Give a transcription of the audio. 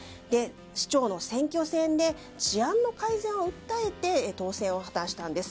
市長の選挙戦で治安の改善を訴えて当選を果たしたんです。